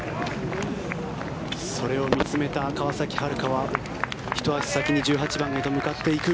それを見つめた川崎春花はひと足先に１８番へと向かっていく。